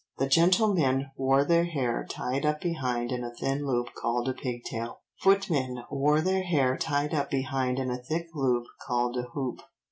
The gentlemen wore their hair tied up behind in a thin loop called a pigtail; footmen wore their hair tied up behind in a thick loop called a hoop."